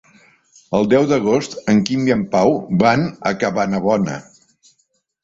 El deu d'agost en Quim i en Pau van a Cabanabona.